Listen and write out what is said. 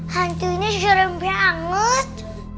hantunya suruh banget